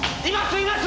います！